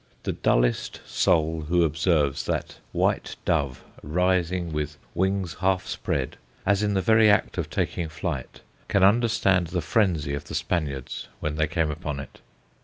The dullest soul who observes that white dove rising with wings half spread, as in the very act of taking flight, can understand the frenzy of the Spaniards when they came upon it.